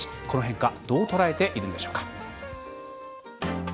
この変化どう捉えているんでしょうか。